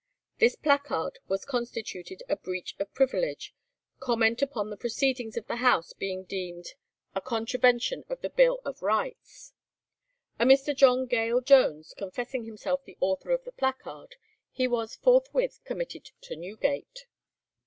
This placard was constituted a breach of privilege, "comment upon the proceedings of the House being deemed a contravention of the Bill of Rights." A Mr. John Gale Jones confessing himself the author of the placard, he was forthwith committed to Newgate.